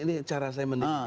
ini cara saya mendik